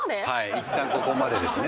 いったんここまでですね。